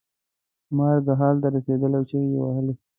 مرګ حال ته رسېدلی و چغې یې وهلې.